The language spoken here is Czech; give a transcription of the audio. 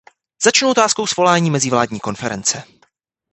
Začnu otázkou svolání mezivládní konference.